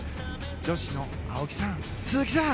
女子の青木さん、鈴木さん